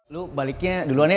lo baliknya duluan ya